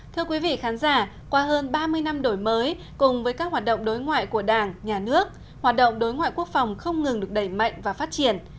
thưa quý vị khán giả qua hơn ba mươi năm đổi mới cùng với các hoạt động đối ngoại của đảng nhà nước hoạt động đối ngoại quốc phòng không ngừng được đẩy mạnh và phát triển